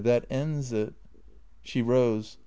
That ends it." She rose.